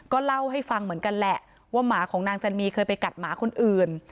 ก็เล่าให้ฟังเหมือนกันแหละว่าหมาของนางจันมีเคยไปกัดหมาคนอื่น